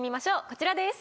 こちらです。